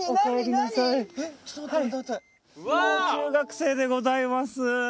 「もう中学生」でございます。